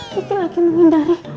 kiki lagi menghindari